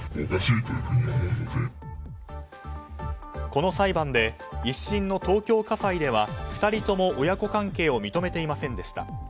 この裁判で１審の東京家裁では２人とも親子関係を認めていませんでした。